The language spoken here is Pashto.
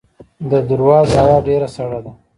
د درواز هوا ډیره سړه ده